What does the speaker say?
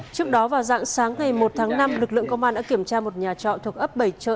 trước đó vào dạng sáng ngày một tháng năm lực lượng công an đã kiểm tra một nhà trọ thuộc ấp bảy chợ